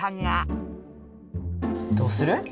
どうする？